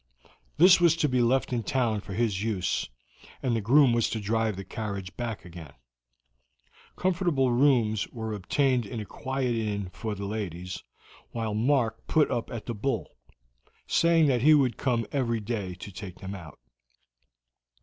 This was to be left in town for his use, and the groom was to drive the carriage back again. Comfortable rooms were obtained in a quiet inn for the ladies, while Mark put up at the Bull, saying that he would come every day to take them out.